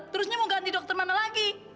terusnya mau ganti dokter mana lagi